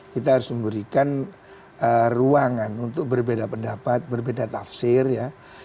kita harus memberikan ruangan untuk berbeda pendapat berbeda tafsir ya